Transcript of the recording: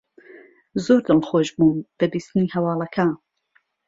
زۆر دڵخۆش بووم بە بیستنی هەواڵەکە.